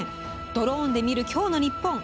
「ドローンで見る今日のニッポン」。